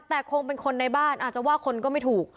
แต่คงเป็นคนในบ้านอาจจะว่าคนก็ไม่ถูก